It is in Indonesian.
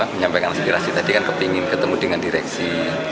menyampaikan inspirasi tadi kan kepengen ketemu dengan direksi